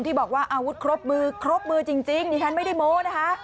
ที่บอกว่าอาวุธครบมือครบมือจริงดิฉันไม่ได้โม้นะคะ